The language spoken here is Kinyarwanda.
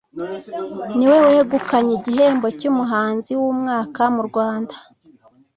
ni we wegukanye igihembo cy’umuhanzi w’umwaka mu Rwanda